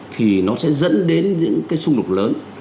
thì nó sẽ dẫn đến những cái xung đột lớn